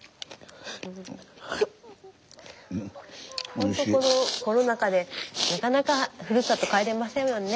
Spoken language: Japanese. ほんとこのコロナ禍でなかなかふるさと帰れませんもんね。